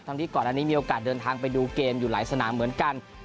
ที่ก่อนอันนี้มีโอกาสเดินทางไปดูเกมอยู่หลายสนามเหมือนกัน